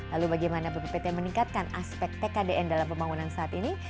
lalu bagaimana bppt meningkatkan aspek tkdn dalam pembangunan saat ini